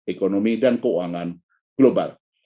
ekonomi dan keuangan global